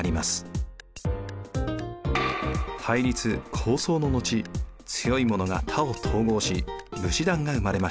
対立抗争の後強いものが他を統合し武士団が生まれました。